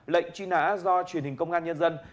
lệnh truy nã do truyền hình công an nhân dân